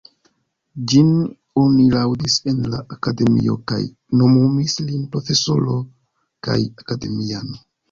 Ĝin oni laŭdis en la Akademio kaj nomumis lin profesoro kaj akademiano.